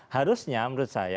harusnya menurut saya